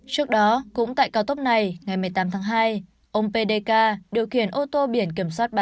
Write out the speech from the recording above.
trước đó cũng tại cao tốc này ngày một mươi tám tháng hai ông pdk điều khiển ô tô biển kiểm soát ba mươi sáu a bốn mươi tám nghìn năm trăm sáu mươi bảy